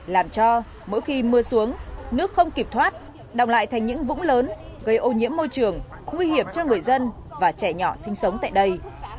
làm cho mỗi khi mưa xuống nước không kịp thoát đồng lại thành những vũng lớn gây ô nhiễm môi trường nguy hiểm cho người dân và trẻ nhỏ sinh sống tại đây